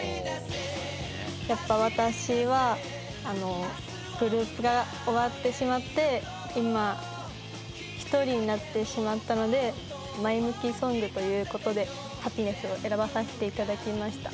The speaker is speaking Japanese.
やっぱ私はグループが終わってしまって今１人になってしまったので前向きソングということで『Ｈａｐｐｉｎｅｓｓ』を選ばさせていただきました。